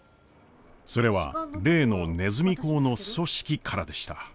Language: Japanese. それは例のねずみ講の組織からでした。